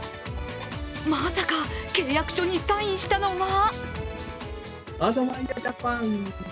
まさか、契約書にサインしたのは？